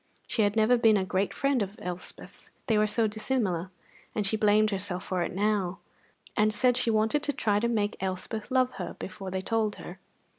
She had never been a great friend of Elspeth's, they were so dissimilar; and she blamed herself for it now, and said she wanted to try to make Elspeth love her before they told her.